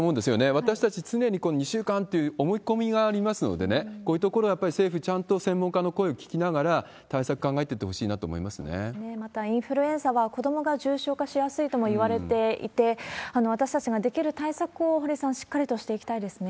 私たち、常に２週間という思い込みがありますのでね、こういうところを政府、やっぱりちゃんと専門家の声を聞きながら対策考えてってほしいなまたインフルエンザは、子どもが重症化しやすいともいわれていて、私たちができる対策を、堀さん、しっかりとしていきたいですね。